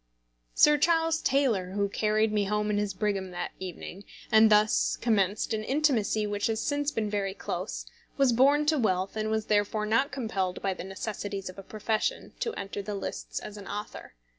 Sir Charles Taylor, who carried me home in his brougham that evening, and thus commenced an intimacy which has since been very close, was born to wealth, and was therefore not compelled by the necessities of a profession to enter the lists as an author.